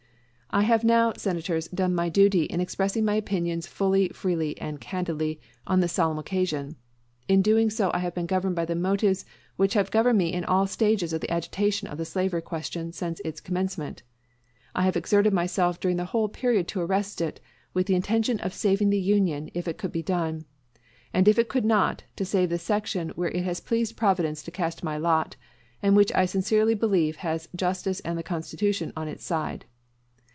I have now, Senators, done my duty in expressing my opinions fully, freely, and candidly, on this solemn occasion. In doing so I have been governed by the motives which have governed me in all the stages of the agitation of the slavery question since its commencement. I have exerted myself during the whole period to arrest it, with the intention of saving the Union if it could be done; and if it could not, to save the section where it has pleased Providence to cast my lot, and which I sincerely believe has justice and the Constitution on its side.